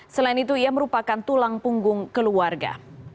selain itu ia merupakan tulang punggung keluarga